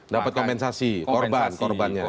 dapat komensasi korban